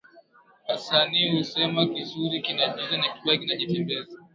Waswahili husema kizuri kinajiuza na kibaya kinajitembeza